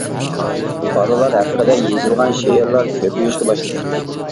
بالىلار ھەققىدە يېزىلغان شېئىرلار كۆپىيىشكە باشلىدى.